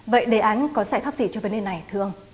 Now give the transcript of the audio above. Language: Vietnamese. vậy đề án có giải pháp gì cho vấn đề này thưa ông